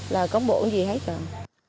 là có bộ gì hay cần